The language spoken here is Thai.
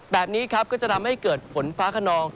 แบบนี้ครับก็จะทำให้เกิดฝนฟ้าขนอง